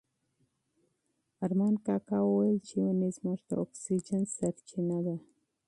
ارمان کاکا وویل چې ونې زموږ د اکسیجن سرچینه ده.